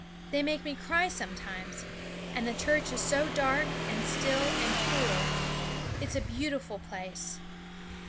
they make me cry sometimes. And the church is so dark, and still, and cool; it's a beautiful place.'